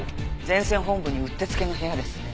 前線本部にうってつけの部屋ですね。